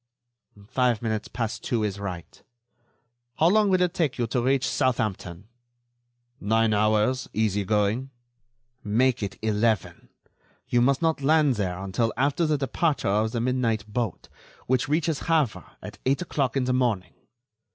"Five minutes past two is right. How long will it take you to reach Southampton?" "Nine hours, easy going." "Make it eleven. You must not land there until after the departure of the midnight boat, which reaches Havre at eight o'clock in the morning.